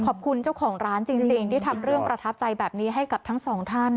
ขอบคุณเจ้าของร้านจริงที่ทำเรื่องประทับใจแบบนี้ให้กับทั้งสองท่าน